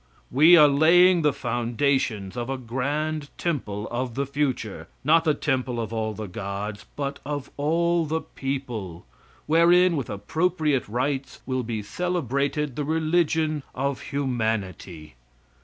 We are laying the foundations of a grand temple of the future not the temple of all the gods, but of all the people wherein, with appropriate rites, will be celebrated the religion of Humanity.